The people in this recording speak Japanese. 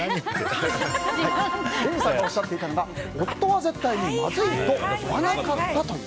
レミさんがおっしゃっていたのは夫は絶対にまずいと言わなかったという。